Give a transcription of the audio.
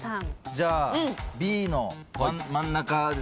じゃあＢの真ん中。